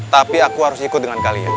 tapi aku harus ikut dengan kalian